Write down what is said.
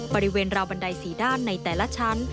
บริเวณราวบันได๔ด้านในแต่ละชั้น